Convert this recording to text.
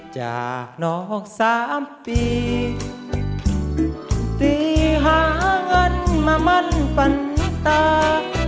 จากนอกสามปีตีหาเงินมามั่นฝันตา